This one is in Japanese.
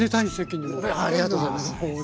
ありがとうございます。